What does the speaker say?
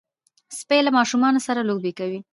سپي له ماشومانو سره لوبې کوي.